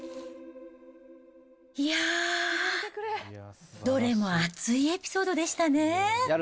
いやー、どれも熱いエピソードでしたね。